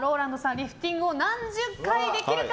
リフティングを何十回できるか。